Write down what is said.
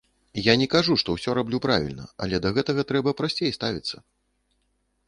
Я не кажу, што ўсё раблю правільна, але да гэтага трэба прасцей ставіцца.